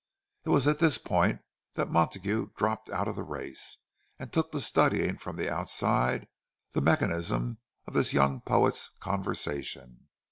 It was at this point that Montague dropped out of the race, and took to studying from the outside the mechanism of this young poet's conversation.